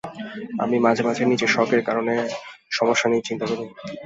আমি মাঝে-মাঝে নিজের শখের কারণে সমস্যা নিয়ে চিন্তা করি।